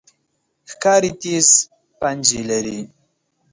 ښکاري تیز پنجې لري.